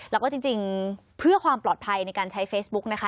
แล้วก็จริงเพื่อความปลอดภัยในการใช้เฟซบุ๊กนะคะ